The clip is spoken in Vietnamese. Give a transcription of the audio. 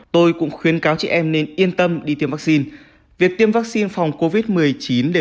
tôi cũng khuyến cáo chị em nên yên tâm đi tiêm vaccine việc tiêm vaccine phòng covid một mươi chín để